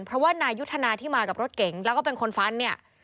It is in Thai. เพราะว่านายยุทธนาที่มากับรถเก๋งแล้วก็เป็นคนฟันเนี่ย